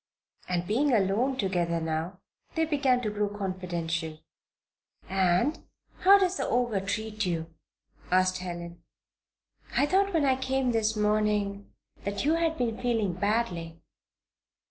And, being alone together now, they began to grow confidential. "And how does the Ogre treat you?" asked Helen. "I thought, when I came this morning, that you had been feeling badly."